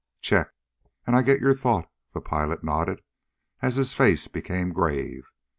"Check, and I get your thought," the pilot nodded as his face became grave.